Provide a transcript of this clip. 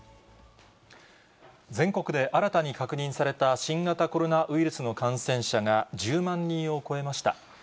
全国で新たに確認された新型コロナウイルスの感染者が１０万人を超えました。